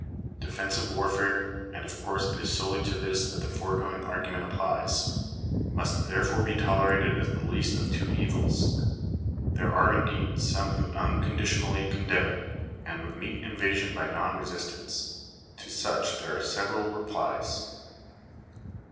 Defensive warfare (and of course it is solely to this that the foregoing argument applies) must therefore be tolerated as the least of two evils. There are indeed some who unconditionally condemn it, and would meet invasion by non resistance. To such there are several replies.